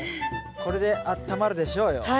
これであったまるでしょうよ。